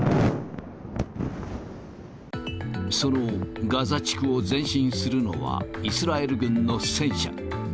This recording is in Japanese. そのガザ地区を前進するのは、イスラエル軍の戦車。